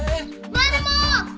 マルモ。